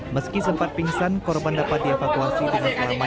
meski sempat pingsan korban dapat dievakuasi dengan lama